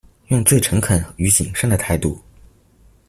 用最誠懇與謹慎的態度